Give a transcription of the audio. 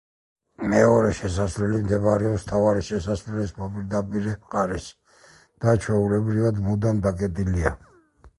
მეორე შესასვლელი მდებარეობს მთავარი შესასვლელის მოპირდაპირე მხარეს და ჩვეულებრივად მუდამ დაკეტილია.